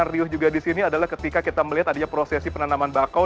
riuh juga di sini adalah ketika kita melihat adanya prosesi penanaman bakau